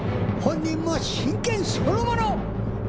本人も真剣そのもの！